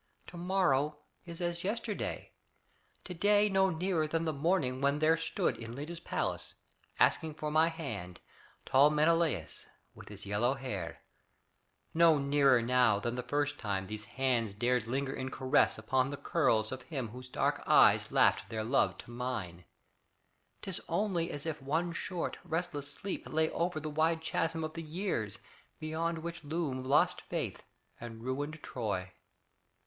Tomorrow is as yesterday; today No nearer than the morning when there stood In Leda's palace, asking for my hand, Tall Menelaus with his yellow hair; No nearer now than the first time these hands Dared linger in caress upon the curls Of him whose dark eyes laughed their love to mine. 'Tis only as if one short, restless sleep Lay over the wide chasm of the years Beyond which loom lost faith and ruined Troy.